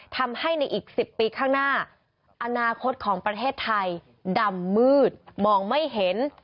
ทำให้ในอีก๑๐ปีข้างหน้าอนาคตของประเทศไทยดำมืดมองไม่เห็น